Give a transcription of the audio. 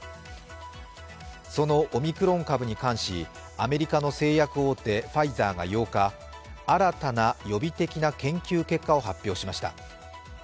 そのオミクロン株に関しアメリカの製薬大手ファイザーが８日新たな予備的な研究結果を発表しました。